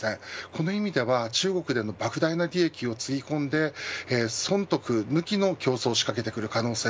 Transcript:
この意味では中国での莫大な利益をつぎ込んで損得抜きの競争を仕掛けてくる可能性